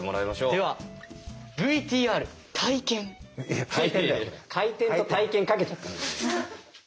ではＶＴＲ「回転」と「体験」かけちゃった。